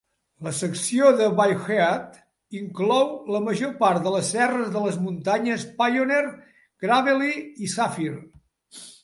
La secció de Beaverhead inclou la major part de les serres de les muntanyes Pioneer, Gravelly i Sapphire.